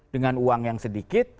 dengan uang yang sedikit